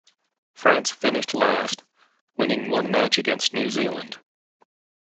France finished last, winning one match against New Zealand.